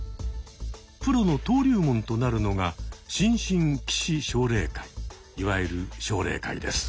プロの登竜門となるのが新進棋士奨励会いわゆる奨励会です。